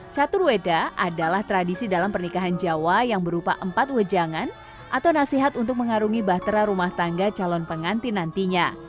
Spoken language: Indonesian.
catur weda adalah tradisi dalam pernikahan jawa yang berupa empat wejangan atau nasihat untuk mengarungi bahtera rumah tangga calon pengantin nantinya